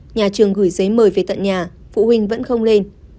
nhà trường gửi giấy mời về tận nhà phụ huynh vẫn không lên